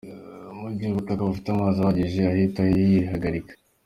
Mu gihe ubutaka bufite amazi ahagije, ahita yihagarika.